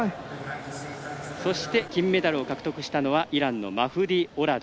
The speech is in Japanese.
そして、金メダルを獲得したのはイランのマフディ・オラド。